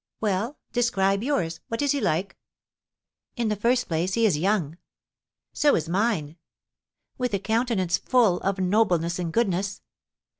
"Well, describe yours. What is he like?" "In the first place, he is young." "So is mine." "With a countenance full of nobleness and goodness."